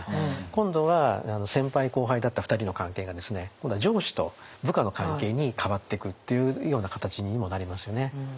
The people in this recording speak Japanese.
今度は先輩後輩だった２人の関係がですね今度は上司と部下の関係に変わってくっていうような形にもなりますよね。